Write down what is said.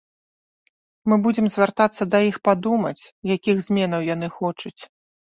Мы будзем звяртацца да іх падумаць, якіх зменаў яны хочуць.